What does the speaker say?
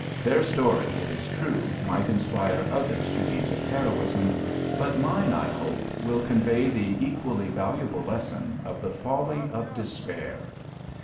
Their story, it is true, might inspire others to deeds of heroism, but mine, I hope, will convey the equally valuable lesson of the folly of despair.